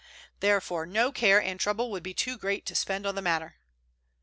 Therefore no care and trouble would be too great to spend on the matter.